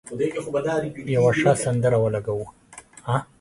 یو ښه سندره ولګوه.